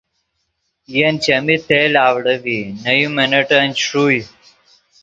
ین چیمی تیل اڤڑے ڤی نے یو منٹن چے ݰوئے